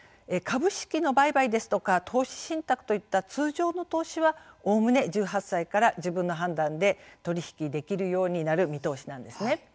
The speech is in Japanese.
株式の売買ですとか投資信託といった通常の投資はおおむね１８歳から自分の判断で取り引きできるようになる見通しなんです。